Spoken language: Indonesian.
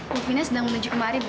bu fina sedang menuju kemari bu